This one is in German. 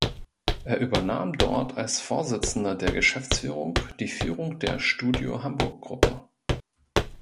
Er übernahm dort als Vorsitzender der Geschäftsführung die Führung der Studio Hamburg Gruppe.